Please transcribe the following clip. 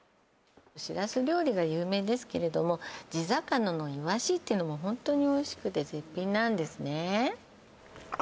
しらす料理が有名ですけれども地魚のイワシっていうのもホントにおいしくて絶品なんですね